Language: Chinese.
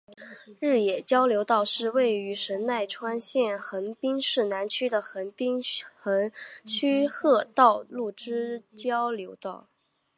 日野交流道是位于神奈川县横滨市南区的横滨横须贺道路之交流道。